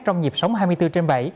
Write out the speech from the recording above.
trong dịp sống hai mươi bốn trên bảy